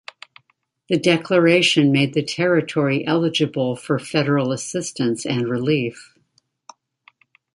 The declaration made the territory eligible for federal assistance and relief.